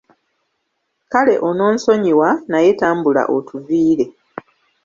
Kale ononsonyiwa, naye tambula otuviire.